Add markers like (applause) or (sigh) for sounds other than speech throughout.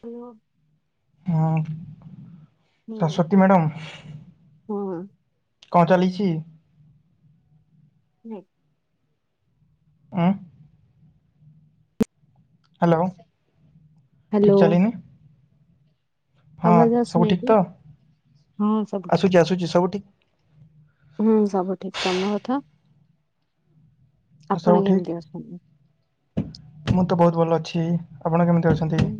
Hello ହଁ Saraswati madam ହୁଁ କଣ ଚାଲିଛି ହୁଁ ଅ (inaudible) ହ୍ୟାଲୋ ଠିକ ଚାଲିନି ହଁ ଆବାଜ ସବୁ ଆସୁନାହିଁ ଠିକ କି? ତ ହଁ ସବୁ ଠିକ୍। ଆସୁଛି ଆସୁଛି ସବୁ ଠିକ ହୁଁ ସବ ଠିକ ତର କଥା ସବୁ ଆପଣ କେମିତି ଅଛନ୍ତି? ଠିକ ମୁଁ ତ ବହୁତ ଭଲ ଅଛି ଆପଣ କେମିତି ଅଛନ୍ତି ହୁଁ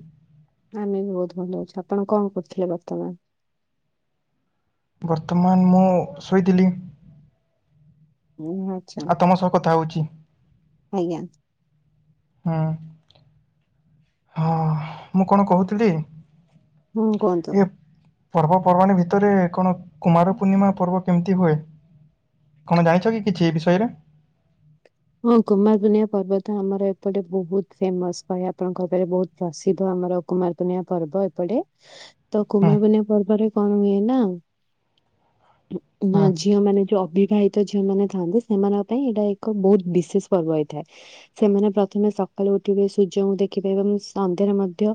ଆମେ ବହୁତ ଭଲ ଅଉଛି ଆପଣ କଣ କରୁଥିଲେ ବର୍ତ୍ତମାନ ବର୍ତ୍ତମାନ ମୁଁ ଶୋଇଥିଲି। ହୁଁ ଆଚ୍ଛା ଆଉ ତମ ସହ କଥା ହଉଛି ଆଜ୍ଞା। ହୁଁ ହଁ ମୁଁ କଣ କହୁଥିଲି। ହୁଁ କୁହନ୍ତୁ। ପର୍ବପର୍ବାଣି ଭିତରେ କଣ କୁମାର ପୂର୍ଣିମା ପର୍ବ କେମିତି ହୁଏ କଣ ଜାଣିଛ କି କିଛି ଏ ବିଷୟରେ? ହଁ କୁମାର ପୂର୍ଣ୍ଣିମା ପର୍ବ ତ ଆମର ଏପଟେ ବହୁତ ଫେମସ କହିଆକୁ ଆପଣଙ୍କ ଉପରେ ବହୁତ ପ୍ରସିଦ୍ଧ। ଆ ଆମର କୁମାର ପୁର୍ଣ୍ଣିମା ପର୍ବ ଏପଟେ। ତ ହୁଁ କୁମାର ପୂର୍ଣ୍ଣିମା ପର୍ବରେ କଣ ହୁଏ ନା ନା ହୁଁ ଝିଅ ମାନେ ଯୋଉ ଅବିବାହିତ ଝିଅ ମାନେ ଥାଆନ୍ତି ସେମାନଙ୍କ ପାଇଁ ଏଇଟା ଏକ ବହୁତ ବିଶେଷ ପର୍ବ ହେଇଥାଏ ସେମାନେ ପ୍ରଥମେ ସକାଳୁ ଉଠିବେ ସୂର୍ଯ୍ୟଙ୍କୁ ଦେଖିିବେ ଏବଂ ସନ୍ଧ୍ୟାରେ ମଧ୍ୟ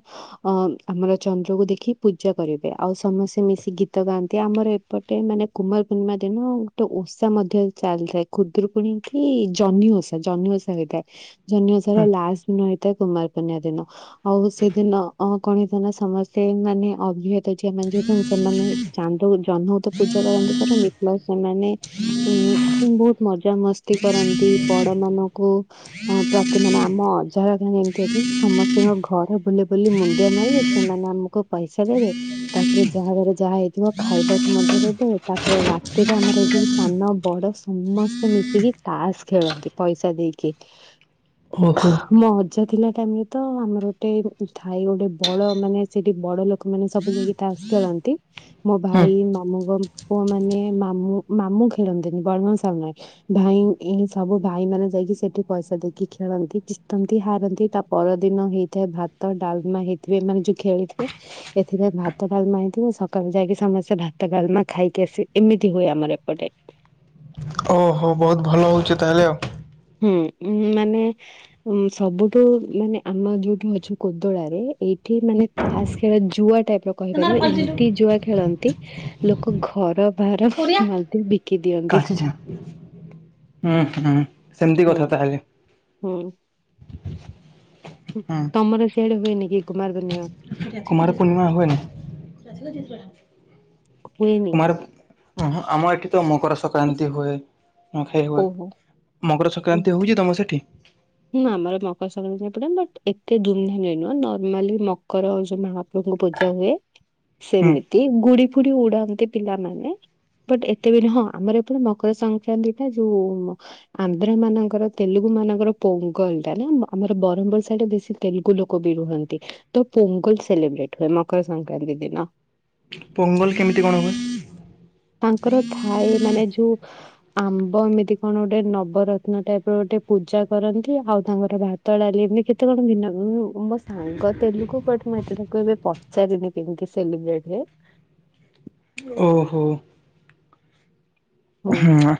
ଅ ଆମର ଚନ୍ଦ୍ରକୁ ଦେଖି ପୂଜା କରିବେ ଆଉ ସମସ୍ତେ ମିଶି ଗୀତ ଗାଆନ୍ତି ଆମର ଏ ପଟେ ମାନେ କୁମାର ପୂର୍ଣ୍ଣିମା ଦିନ ଗୋଟେ ଓଷା ମଧ୍ୟ ଚାଲିଥାଏ ଖୁଦୁରିକୁଣି କି ଜହ୍ନି ଓଷା ଜହ୍ନି ଓଷା ହେଇଥାଏ ଜହ୍ନି ଓଷା ହୁଁ ର ଲାଷ୍ଟ ଦିନ ହେଇଥାଏ କୁମାର ପୂର୍ଣ୍ଣିମା ଦିନ ଆଉ ସେଦିନ ଅ କଣ ହେଇଥାଏ ନା ସମସ୍ତେ ମାନେ ଅଭିଆରୀ ଝିଅମାନ ଯୋଉଥାନ୍ତି ସେମାନେ ଚାନ୍ଦ ଜହ୍ନ କୁତ ପୂଜା କରନ୍ତି କରନ୍ତି ପ୍ଲସ୍ ସେମାନେ ଉଁ ଉଁ ବହୁତ ମଜାମସ୍ତି କରନ୍ତି। ପ ବଡ ମାନଙ୍କୁ ଅ ପ୍ରତି ମାନେ ଆମ ଅଜା ଆଜ୍ଞା ଏମିତି ଅଛି ସମସ୍ତଙ୍କ ଘର ବୁଲି ବୁଲି ମୁଣ୍ଡିଆ ମାରିବୁ ସେମାନେ ଆମକୁ ପଇସା ଦେବେ ତାପରେ ଯାହା ଘରେ ଯାହା ହେଇଥିବ ଖାଇବାକୁ ମଧ୍ୟ କରାଯାଏ ତାପରେ ରାତିଟା ଆମର ଏଗୁ ସାନ ବଡ ସମସ୍ତେ ମିଶିକି ତାସ୍ ଖେଳନ୍ତି ପଇସା ଦେଇକି ଓହୋ ମଜା ଥିଲା। ତାନି ତ ଆମର ଗୋଟେ ଥାଇ ଗୋଟେ ବଡ ମାନେ ସେଠି ବଡ ଲୋକମାନେ ସବୁ ଯାଇକି ତାସ ଖେଳନ୍ତି। ନ୍ତି ମୋ ହୁଁ ଭାଇ ମାମୁ ଘରୁ ପୁଅମାନେ ମାମୁଁ ମାମୁଁ ଖେଳନ୍ତିନି ବଡ଼ ମାଇଁ ସାନ ମାଇଁ। ଭାଇ ଏଁ ସବୁ ଭାଇମାନେ ଯାଇକି ସେଠି ପଇସା ଦେଇକି ଖେଳନ୍ତି ଜିତନ୍ତି ହାରନ୍ତି ତା ପରଦିନ ହେଇଥାଏ ଭା ଭାତ ଡାଲମା ହେଇଥିବେ ଏମାନେ ଯୋଉ ଖେଳିଥିବେ ଏଥିରେ ଭାତ ଡାଲମା ହେଇଥବେ ସକାଳୁ ଯାଇକି ସମସ୍ତେ ଭା ଭତ ଡାଲମା ଖାଇକି ଆସି ଏମିତି ହୁଏ ଆମର ଏପଟେ। ଓହୋ ବହୁତ ଭଲ ହଉଛି ତାହେଲେ ଆଉ। ହୁଁ ମାନେ ଉଁ ସବୁଠୁ ମାନେ ଆମ ଯୋଉଠୁ ଅଛି କୋଦଳାରେ ଏଇ ଏଠି ମାନେ ତାସ ଖେଳ ଜୁଆ ଟାଇପର କହିପାରିବ ଆଉ ଏମିତି ଜୁଆ ଖେଳନ୍ତି ଲୋକ ଘର ଭାର (inaudible) ବି (unintelligible) ହଁ ହଁ ସେ ଏନ୍ତି ହୁଁ କଥା ତାହେଲେ। ହୁଁ। ତମର ସିଆଡେ ହୁଏନି କି କୁମାର ପୂର୍ଣ୍ଣିମା? କୁମାର ପୂର୍ଣ୍ଣିମା ହୁଏନି। ହୁଏନି? କୁମାର ଅହଂ ଆମ ଏଠି ତ ମକର ସଂକ୍ରାନ୍ତି ହୁଏ। ହଁ ଖାଇ ହୁଏ। ଓହୋ। ମକର ଉଁ ସଂକ୍ରାନ୍ତି ହଉଛି ତମ ସେଠି? (unintelligible) ବଟ ଏତେ ଧୁମଧାମରେ ନୁହଁ ନର୍ମାଲି ମକର ଯଉ ମହାପ୍ରଭୁଙ୍କୁ ପୂଜା ହୁଏ। ହୁଁ ସେମିତି ଗୁଡି ଫୁଡି ଉଡାଉଁ। ପିଲାମାନେ ବଟ ଏତେ ନୁହଁ ଆମର ଏପଟ ମକର ସଂକ୍ରାନ୍ତି ଯୋଉ ଆନ୍ଧ୍ର ମାନଙ୍କର ତେଲୁଗୁ ମାନଙ୍କର ପୋଙ୍ଗଲ ଟା ନା ଆମର ବ୍ରରହ୍ମପୁର ସା ଟା ବେଶୀ ତେଲୁଗୁ ଲୋକ ବି ରୁହନ୍ତି ତ ପୋଙ୍ଗଲ ସେଲିବ୍ରେଟ ହୁଏ ମକର ସଂକ୍ରାନ୍ତି ଦିନ। ପୋଙ୍ଗଲ କେମିତି କଣ ହୁଏ? ତାଙ୍କର ଥାଏ ମାନେ ଯୋଉ ଆମ୍ବ ଏମିତି କଣ ଗୋଟେ ନବରତ୍ନ ଟାଇପର ଗୋଟେ ପୂଜା କରନ୍ତି ଆଉ ତାଙ୍କର ଭାତ ଡାଲି। କେତେ କଣ ଭିନ୍ନ ମ-ମୋ ସାଙ୍ଗ ତେଲୁଗୁ ବଟ ମୁଁ ଏତେ ତାକୁ ଏବେ ପଚାରିନି କେମିତି ସେଲିବ୍ରେଟ (unintelligible) ଓହୋ। ହଁ। ହୁଁ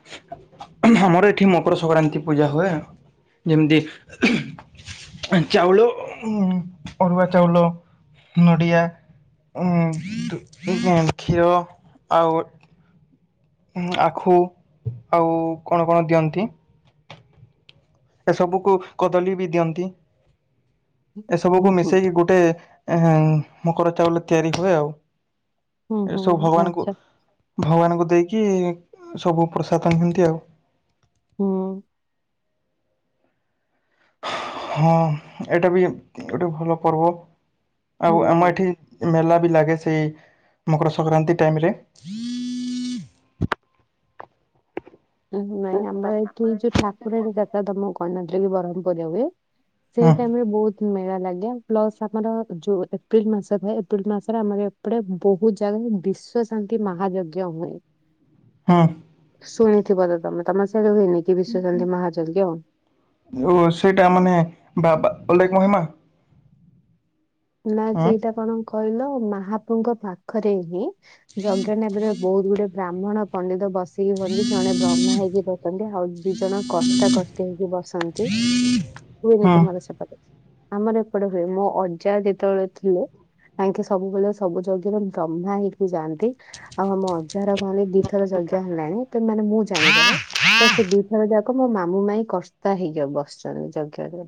ଆମର ଏଠି ମକର ସଂକ୍ରାନ୍ତି ପୂଜା ହୁଏ। ଯେମିତି ଚାଉଳ ଉଁ ଅରୁଆ ଚାଉଲ ନଡ଼ିଆ। ଉଁ କ୍ଷୀର ଆଉ ଆଖୁ ଆଉ କଣ କଣ ଦିଅନ୍ତି। ଏସବୁକୁ କଦଳୀ ବି ଦିଅନ୍ତି। ହୁଁ ଏସବୁକୁ ହୁଁ ମିଶେଇକି ଗୋଟେ ମକର ଚାଉଳ ତିଆରି ହୁଏ ଆଉ। ହୁଁ ଏ ସବୁ ହୁଁ ଭଗବାନଙ୍କୁ ଆଚ୍ଛା। ଭଗବାନଙ୍କୁ ଦେଇକି କି ସବୁ ପ୍ରସାଦ ନିୁନ୍ତି ଆଉ ହୁଁ। ହଁ ଏଇଟା ବି ଗୋଟେ ଭଲ ପର୍ବ ଆଉ ଆମ ହୁଁ ଏଠି ମେଲା ବି ଲାଗେ ସେ ମକର ସଂକ୍ରାନ୍ତି ଟାଇମ। ହୁଁ ନାଇଁ ଆମର ଏଇଠି ଏଇ ଯୋଉ ଠାକୁରାଣୀ ଯାତ୍ରା ତମ କହିଣନଥିଲ କି ବ୍ରହ୍ମପୁରରେ ହୁଏ। ହୁଁ ସେଇଟ ଆମେ ବହୁତ ମେଳା ଲାଗେଉ ପ୍ଲସ ଆମର ଯୋଉ ଏପ୍ରିଲ ମାସ ଥାଏ ଏପ୍ରିଲ ମାସରେ ଆମର ଏପଟେ ବହୁତ ଜାଗା ବିଶ୍ୱ ଶାନ୍ତି ମହାଯଜ୍ଞ ହୁଏ। ହଁ ଶୁଣିଥିବ ତ ତମେ ତମ ସିଆଡ଼େ ହୁନି କି ବିଶ୍ୱଚଧୀ ମହଜଜ୍ଞ ଓ ସେଇଟା ମାନେ ବାବାଲେଖ ମହିମା ନା ହୁଁ ସେଇଟା କଣ କହିଲ ମହାପ୍ରଭୁଙ୍କ ପାଖରେ ହୁଏ। ଯଜ୍ଞ ବହୁତ ଗୁଡେ ବ୍ରାହ୍ମଣ ପଣ୍ଡିତ ବସ। ହୁନ୍ତି ଜଣେ ବ୍ରହ୍ମା ହେଇକି ବସନ୍ତି ଆଉ ଦି ଜଣ କଷ୍ଟା କଷ୍ଟ ହେଇକି ବସନ୍ତି ହୁଏନି ହୁଁ। ତୁମର ସେପଟେ ଆମର ଏପଟେ ହୁଏ ମୋ ଅଜା ଯେତେବେଳେ ଥିଲେ କାକେ ସବୁବେଳେ ସବୁ ଯଜ୍ଞରେ ବ୍ରହ୍ମା ହେଇକି ଯାଆନ୍ତି ଆଉ ଆମ ଅଜାହାର କହଲେ ଗୀତର ହେଲାଣି ତ ମାନେ ମୁଁ ଜାଣିବାର ତ ସେ ଦିଇଥର ଯାକ ମୋ ମାମୁ ମାଇଁ କତା ହେଇଯିବ ବ ସବୁ ଯଜ୍ଞ ପୁରା